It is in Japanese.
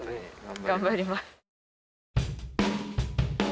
頑張ります。